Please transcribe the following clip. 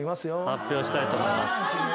発表したいと思います。